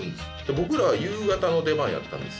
僕らは夕方の出番やったんです